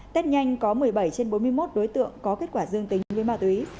tết nhanh có một mươi bảy trên bốn mươi một đối tượng có kết quả dương tính với ma túy